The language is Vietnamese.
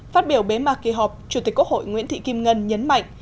phát biểu bế mạc kỳ họp chủ tịch quốc hội nguyễn thị kim ngân nhấn mạnh